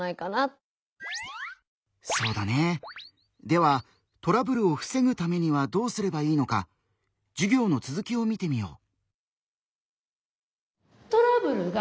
ではトラブルをふせぐためにはどうすればいいのか授業の続きを見てみよう。